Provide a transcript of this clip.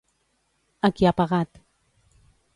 A qui ha pagat?